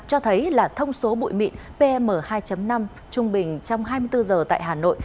cho thấy là thông số bụi mịn pm hai năm trung bình trong hai mươi bốn giờ tại hà nội